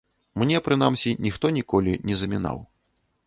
Мне, прынамсі, ніхто ніколі не замінаў.